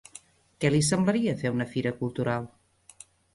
Què li semblaria fer una fira cultural?